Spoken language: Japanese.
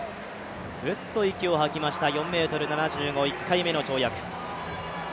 ふっと息を吐きました、４ｍ７５、１回目の跳躍。